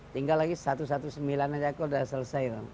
tinggal lagi satu ratus sembilan belas aja kok udah selesai